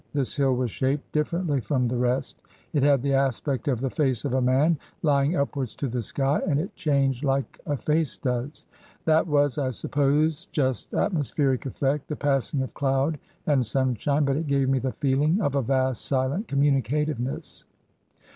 This hill was shaped differently from the rest. It had the aspect of the face of a man lying upwards to the sky, and it changed like a face does. That was, I suppose, just atmospheric effect — ^the passing of cloud and sunshine. But it gave me the feeling of a vast silent communicativeness."